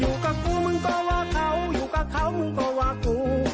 กูกับกูมึงก็ว่าเขาอยู่กับเขามึงก็ว่ากู